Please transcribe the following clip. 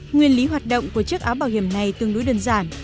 nguyên lý hoạt động của chiếc áo bảo hiểm này tương đối đơn giản